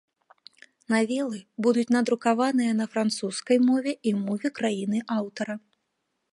Навелы будуць надрукаваныя на французскай мове і мове краіны аўтара.